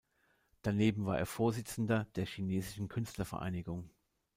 Daneben war er Vorsitzender der chinesischen Künstlervereinigung.